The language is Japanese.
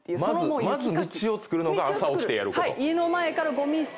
まず道を作るのが朝起きてやること。